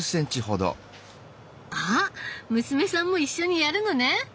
あっ娘さんも一緒にやるのね！